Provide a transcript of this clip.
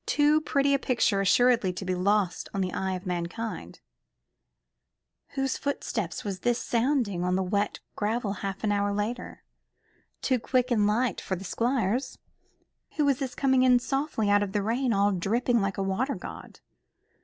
Too pretty a picture assuredly to be lost to the eye of mankind. Whose footstep was this sounding on the wet gravel half an hour later? Too quick and light for the Squire's. Who was this coming in softly out of the rain, all dripping like a water god?